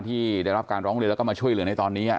ที่ได้รับการร้องเรียนแล้วก็มาช่วยเหลือในตอนนี้